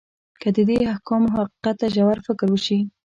که د دې احکامو حقیقت ته ژور فکر وشي.